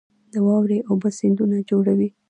د واورې اوبه سیندونه جوړوي